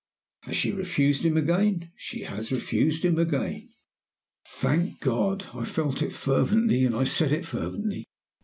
"'Has she refused him again?' "'She has refused him again.' "'Thank God!' I felt it fervently, and I said it fervently.